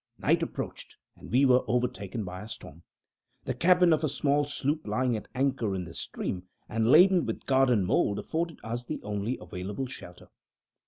Night approached, and we were overtaken by a storm. The cabin of a small sloop lying at anchor in the stream, and laden with garden mould, afforded us the only available shelter.